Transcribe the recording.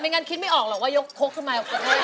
งั้นคิดไม่ออกหรอกว่ายกคกขึ้นมา